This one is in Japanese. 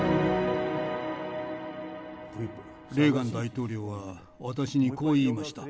レーガン大統領は私にこう言いました。